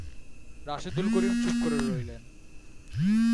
রাশেদুল করিম চুপ করে রইলেন।